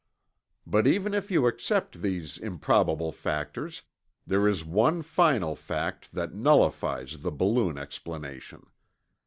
But even if you accept these improbable factors, there is one final fact that nullifies the balloon explanation.